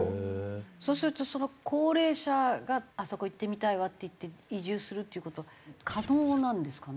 そうするとその高齢者が「あそこ行ってみたいわ」って言って移住するっていう事は可能なんですかね？